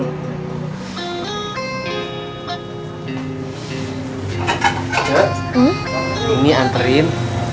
jok ini anterin